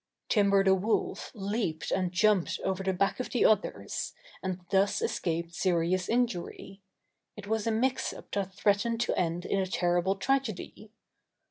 Timber the Wolf leaped and jumped over the backs of the others, and thus escaped ser ious injury. It was a mix up that threatened to end in a terrible tragedy.